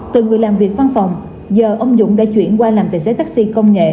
từ người làm việc văn phòng giờ ông dũng đã chuyển qua làm tài xế taxi công nghệ